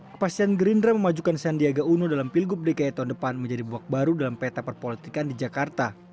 kepastian gerindra memajukan sandiaga uno dalam pilgub dki tahun depan menjadi babak baru dalam peta perpolitikan di jakarta